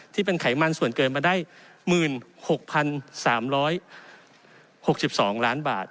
ที่เป็นไขมันส่วนเกินมาได้๑๖๓๖๒ล้านบาท